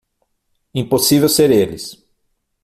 Impossível ser eles